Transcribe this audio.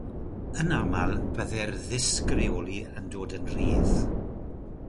Yn aml, byddai'r ddisg reoli yn dod yn rhydd.